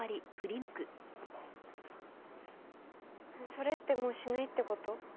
それってもうしないってこと？